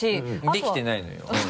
できてないのよ。